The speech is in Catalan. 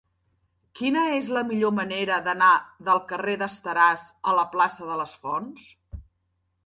Quina és la millor manera d'anar del carrer d'Esteràs a la plaça de les Fonts?